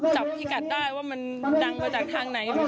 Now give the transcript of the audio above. จับพี่กัดได้ว่ามันดังมาจากทางไหน